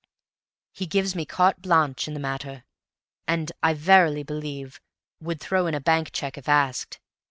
He gives me carte blanche in the matter, and, I verily believe, would throw in a blank check if asked.